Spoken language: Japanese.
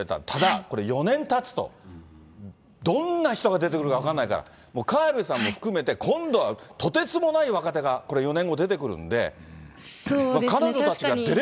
ただこれ、４年たつとどんな人が出てくるか分かんないから、もうさんも含めて、今度はとてつもない若手がこれ、４年後、出そうですね、確かに。